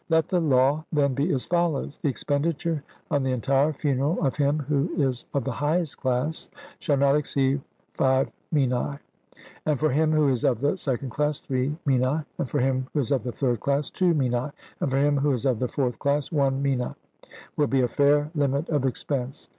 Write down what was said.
Let the law, then, be as follows: The expenditure on the entire funeral of him who is of the highest class, shall not exceed five minae; and for him who is of the second class, three minae, and for him who is of the third class, two minae, and for him who is of the fourth class, one mina, will be a fair limit of expense.